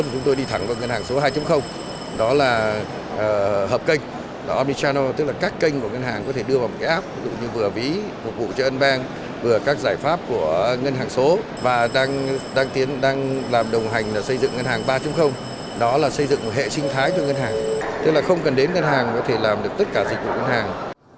chúng tôi đi thẳng vào ngân hàng số hai đó là hợp kênh đó là omnichannel tức là các kênh của ngân hàng có thể đưa vào một cái app ví dụ như vừa ví phục vụ cho ân bang vừa các giải pháp của ngân hàng số và đang tiến đang làm đồng hành xây dựng ngân hàng ba đó là xây dựng hệ sinh thái cho ngân hàng tức là không cần đến ngân hàng có thể làm được tất cả dịch vụ ngân hàng